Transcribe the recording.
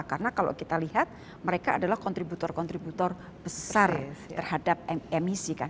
karena kalau kita lihat mereka adalah kontributor kontributor besar terhadap emisi kan